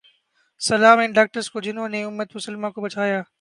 سلام ان ڈاکٹرز کو جہنوں نے امت مسلماں کو بچایا